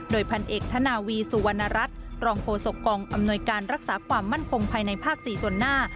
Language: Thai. โดยพันเอกธนาวีสุวรรณรัฐรองโฆษกองอำนวยการรักษาความมั่นคงภายในภาค๔ส่วนหน้า